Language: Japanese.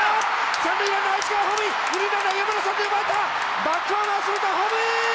三塁ランナー内川ホームイン二塁ランナー岩村３塁へ回ったバックホームへホームイン！